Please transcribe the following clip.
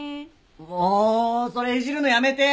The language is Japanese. もそれいじるのやめて！